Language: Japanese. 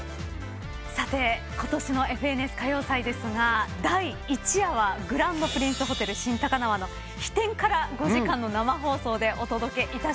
さてことしの『ＦＮＳ歌謡祭』ですが第１夜はグランドプリンスホテル新高輪の飛天から５時間の生放送でお届けいたします。